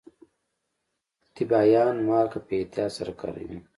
ټبیايان مالګه په احتیاط سره کاروي.